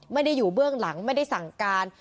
ไม่ได้อยู่เบื้องหลังไม่ได้สั่งการ